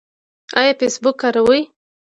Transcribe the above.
ایا فیسبوک کاروئ؟